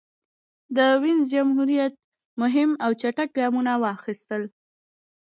د وینز جمهوریت مهم او چټک ګامونه واخیستل.